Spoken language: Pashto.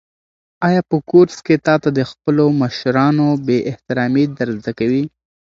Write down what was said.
آیا په کورس کې تاته د خپلو مشرانو بې احترامي در زده کوي؟